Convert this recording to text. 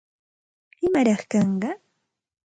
¿Imaraq kanqa?